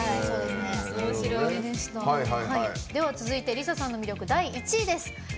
続いて理佐さんの魅力第１位です。